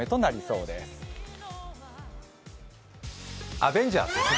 アベンジャーズですね。